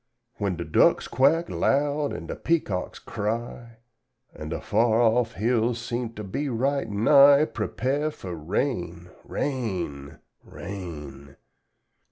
"When da ducks quack loud an' da peacocks cry, An' da far off hills seems to be right nigh, Prepare fuh rain, rain, rain!